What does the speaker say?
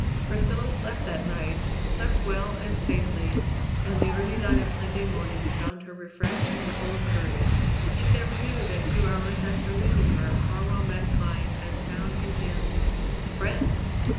Priscilla slept that night, slept well and safely, and the early light of Sunday morning found her refreshed and full of courage. She never knew that two hours after leaving her Farwell met Pine and found in him a friend!